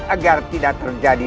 agar tidak terjadi